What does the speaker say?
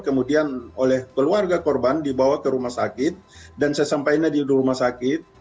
kemudian oleh keluarga korban dibawa ke rumah sakit dan sesampainya di rumah sakit